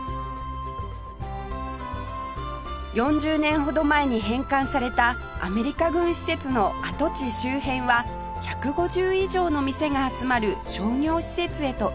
４０年ほど前に返還されたアメリカ軍施設の跡地周辺は１５０以上の店が集まる商業施設へと生まれ変わりました